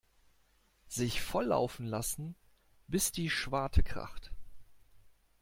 Sich volllaufen lassen bis die Schwarte kracht.